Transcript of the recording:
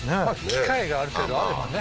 機械がある程度あればね